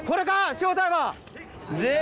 正体は！